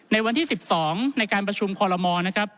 ในวันที่๑๒ในการประชุมคอลโลมอร์นะครับ